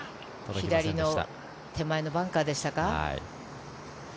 左の手前のバンカーでしたか。